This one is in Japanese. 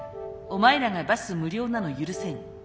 「お前らがバス無料なの許せん」。